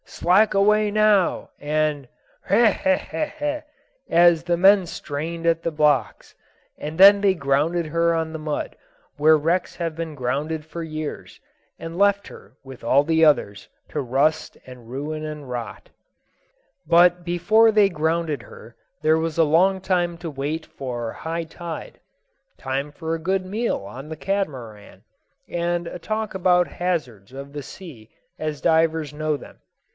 "Slack away now!" and "R'heh eh eh!" as the men strained at the blocks), and then they grounded her on the mud, where wrecks have been grounded for years, and left her, with all the others, to rust and ruin and rot. [Illustration: THE MEN AT WORK WITH THE AIR PUMP.] But before they grounded her there was a long time to wait for high tide time for a good meal on the Catamaran, and a talk about hazards of the sea as divers know them.